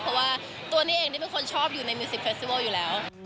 เพราะว่าตัวนี้เองนี่เป็นคนชอบอยู่ในมิวสิกเฟสติวัลอยู่แล้ว